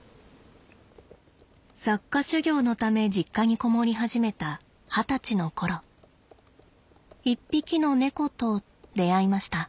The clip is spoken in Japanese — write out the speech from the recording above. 作家修業のため実家にこもり始めた二十歳の頃一匹の猫と出会いました。